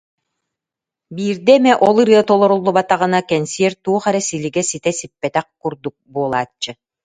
Биирдэ эмэ ол ырыа толоруллубатаҕына кэнсиэр туох эрэ силигэ ситэ сиппэтэх курдук буолааччы